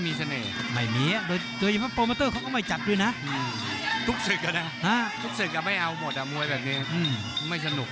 มวยแบบนี้ไม่สนุก